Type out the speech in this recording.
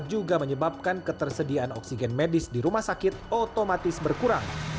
juga menyebabkan ketersediaan oksigen medis di rumah sakit otomatis berkurang